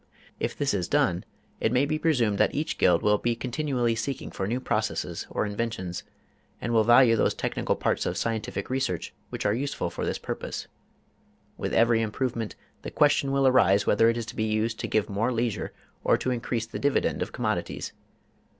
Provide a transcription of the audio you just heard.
If this is done, it may be presumed that each Guild will be continually seeking for new processes or inventions, and will value those technical parts of scientific research which are useful for this purpose. With every improvement, the question will arise whether it is to be used to give more leisure or to increase the dividend of commodities.